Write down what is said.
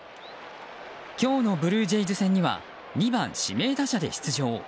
今日のブルージェイズ戦には２番指名打者で出場。